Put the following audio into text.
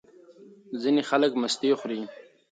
ځینې خلک مستې خوري.